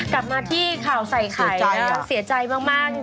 กลับมาที่ข่าวใส่ไข่ต้องเสียใจมาก